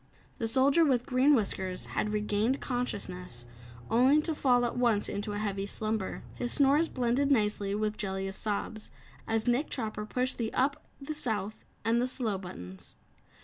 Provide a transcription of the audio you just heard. The Soldier with Green Whiskers had regained consciousness, only to fall at once into a heavy slumber. His snores blended nicely with Jellia's sobs, as Nick Chopper pushed the "up," the "South" and the "slow" buttons.